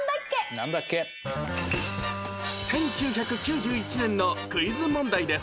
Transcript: １９９１年のクイズ問題です